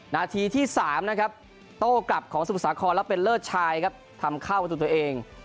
นาทีที่๓นะครับโต้กลับของสมุทรสาครแล้วเป็นเลิศชายครับทำเข้าประตูตัวเอง